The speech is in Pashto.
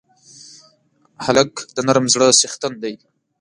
هلک د نرم زړه څښتن دی.